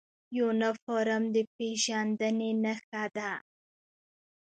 یونفورم د پیژندنې نښه ده